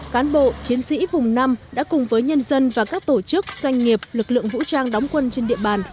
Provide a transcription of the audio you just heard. cán bộ chiến sĩ vùng năm đã cùng với nhân dân và các tổ chức doanh nghiệp lực lượng vũ trang đóng quân trên địa bàn